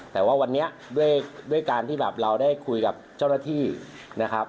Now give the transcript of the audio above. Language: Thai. แต่ว่าวันนี้ด้วยการที่แบบเราได้คุยกับเจ้าหน้าที่นะครับ